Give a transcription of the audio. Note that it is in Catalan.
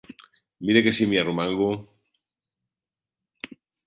Mira que si m'hi arromango!